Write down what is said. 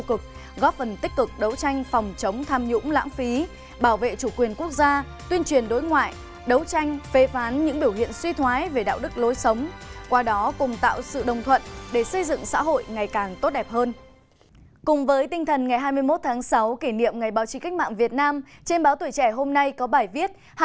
cùng với tinh thần ngày hai mươi một tháng sáu kỷ niệm ngày báo chí cách mạng việt nam trên báo tuổi trẻ hôm nay có bài viết